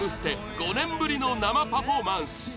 ５年ぶりの生パフォーマンス！